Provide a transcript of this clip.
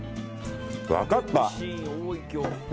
分かった。